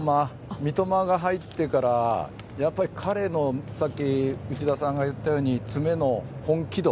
三笘が入ってからさっき、内田さんが言ったように彼の詰めの本気度。